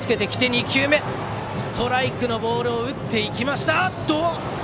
２球目、ストライクのボールを打っていった。